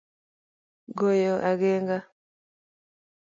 Goyo agenga